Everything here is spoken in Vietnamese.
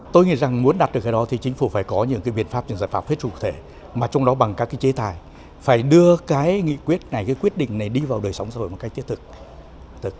tôi nghĩ rằng muốn đạt được cái đó thì chính phủ phải có những biện pháp những giải pháp phết trụ thể mà trong đó bằng các chế tài phải đưa cái nghị quyết này cái quyết định này đi vào đời sống sở hữu một cái thiết thực